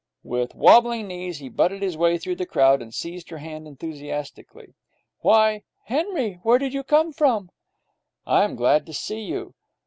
With wabbling knees he butted his way through the crowd and seized her hand enthusiastically. 'Why, Henry! Where did you come from?' 'I am glad to see you!'